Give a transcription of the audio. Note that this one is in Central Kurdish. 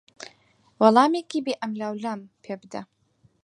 وەڵامێکی بێ ئەملاوئەولام پێ بدە.